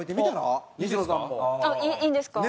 あっいいんですか？